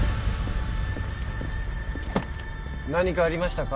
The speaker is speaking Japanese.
何かありましたか？